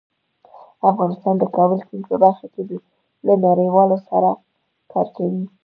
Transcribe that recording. افغانستان د کابل سیند په برخه کې له نړیوالو سره کار کوي.